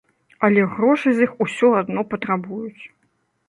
Але грошы з іх усё адно патрабуюць.